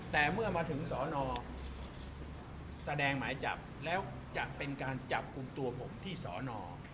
แต่เมื่อมาถึงสอนอแสดงหมายจับแล้วจะเป็นการจับกลุ่มตัวผมที่สอนอ